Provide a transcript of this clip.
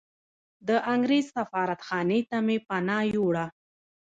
د انګریز سفارتخانې ته مې پناه یووړه.